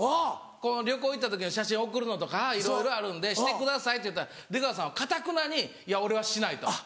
旅行行った時の写真送るのとかいろいろあるんでしてくださいって言ったら出川さんはかたくなにいや俺はしないと。